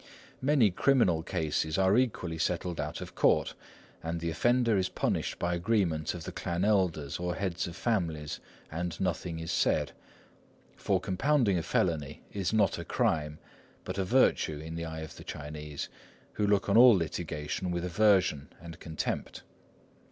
Many criminal cases are equally settled out of court, and the offender is punished by agreement of the clan elders or heads of families, and nothing is said; for compounding a felony is not a crime, but a virtue, in the eyes of the Chinese, who look on all litigation with aversion and contempt.